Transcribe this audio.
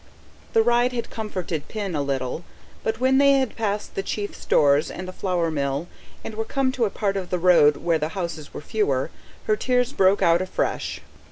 The ride had comforted Pin a little; but when they had passed the chief stores and the flour mill, and were come to a part of the road where the houses were fewer, her tears broke out afresh.